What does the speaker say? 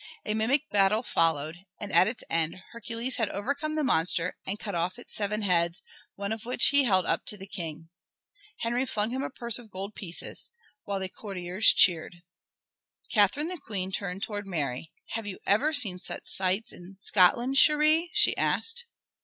A mimic battle followed, and at its end Hercules had overcome the monster and cut off its seven heads, one of which he held up to the King. Henry flung him a purse of gold pieces, while the courtiers cheered. Catherine the Queen turned towards Mary. "Have you ever seen such sights in Scotland, chèrie?" she asked.